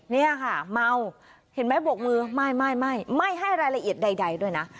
นี่ค่ะเมาเห็นไหมบวกมือไม่ไม่ให้รายละเอียดใดด้วยนะ